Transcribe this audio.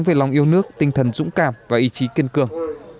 về lòng yêu nước tinh thần dũng cảm và ý chí kiên cường